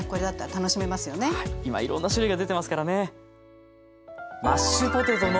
はい今いろんな種類が出てますからね。